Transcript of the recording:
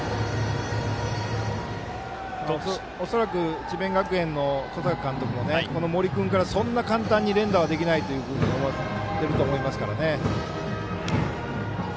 恐らく智弁学園の小坂監督も森君から、そんな簡単に連打はできないと思っていると思います。